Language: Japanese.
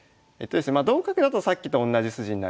まあ同角だとさっきと同じ筋になりますよね。